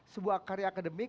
sebuah karya akademik